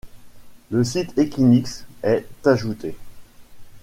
Le site Equinix est ajouté.